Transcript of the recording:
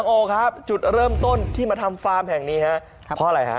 โอนะครับจุดเริ่มต้นที่มาทำฟาร์มแห่งนี้เพราะอะไร